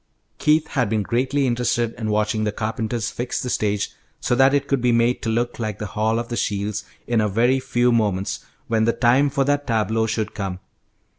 Keith had been greatly interested in watching the carpenters fix the stage so that it could be made to look like the Hall of the Shields in a very few moments, when the time for that tableau should come.